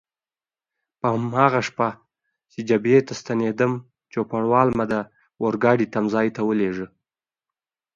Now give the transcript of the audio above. په هماغه شپه چې جبهې ته ستنېدم، چوپړوال مې د اورګاډي تمځای ته ولېږه.